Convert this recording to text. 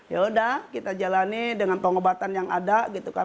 yaudah kita jalani dengan pengobatan yang ada gitu kan